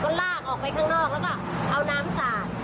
ก็ลากออกไปข้างนอกแล้วก็เอาน้ำสาด